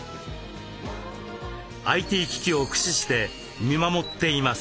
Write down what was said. ＩＴ機器を駆使して見守っています。